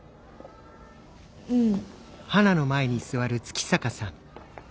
うん。